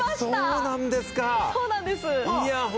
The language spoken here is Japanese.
そうなんですか！